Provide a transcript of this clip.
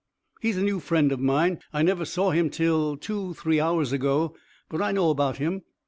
"He's a new friend of mine I never saw him till two three hours ago but I know about him.